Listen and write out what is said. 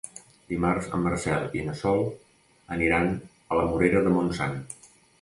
Dimarts en Marcel i na Sol aniran a la Morera de Montsant.